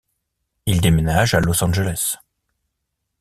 Il déménage à Los Angeles.